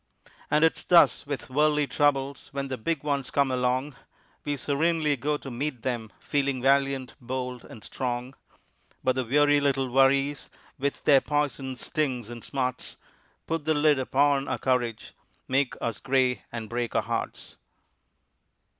And it's thus with worldly troubles; when the big ones come along, we serenely go to meet them, feeling valiant, bold and strong, but the weary little worries with their poisoned stings and smarts, put the lid upon our courage, make us gray, and break our hearts.